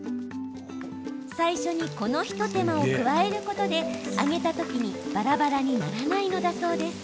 最初にこの一手間を加えることで揚げたときばらばらにならないのだそうです。